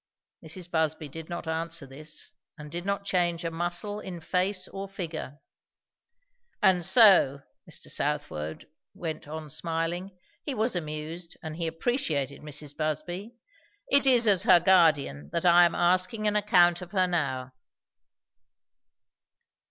Mrs. Busby did not answer this, and did not change a muscle in face or figure. "And so," Mr. Southwode went on, smiling, he was amused, and he appreciated Mrs. Busby, "it is as her guardian that I am asking an account of her now."